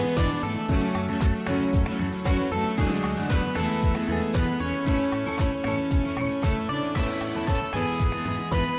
ยินดีไปครู